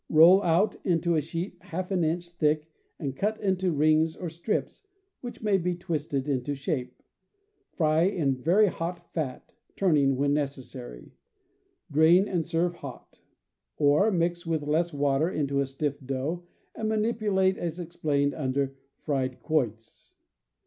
Roll out into a sheet half an inch thick and cut into rings or strips, which may be twisted into shape. Fry in very hot fat; turn when necessary. Drain and serve hot CAMP COOKERY 163 Or, mix with less water into a stiff dough, and manipu late as explained under Fried Quoits.